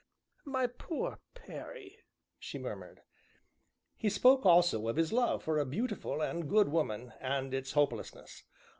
"My poor Perry!" she murmured. "He spoke also of his love for a very beautiful and good woman, and its hopelessness."